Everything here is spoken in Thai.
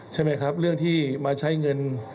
ใช่ไหมครับเรื่องที่มาใช้เงิน